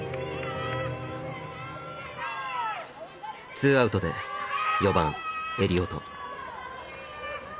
ツーアウトで４番エリオト。